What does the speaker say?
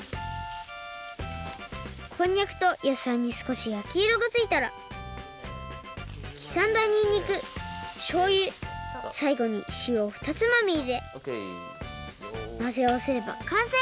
こんにゃくとやさいにすこしやきいろがついたらきざんだニンニクしょうゆさいごにしおをふたつまみいれまぜあわせればかんせい！